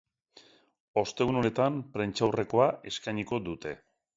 Ostegun honetan prentsaurrekoa eskainiko dute.